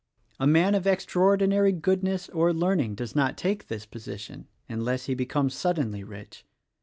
A man of extraordinary goodness or learning does not take this position — unless he becomes suddenly rich.